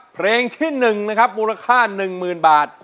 เพลงที่๑นะครับมูลค่า๑๐๐๐บาท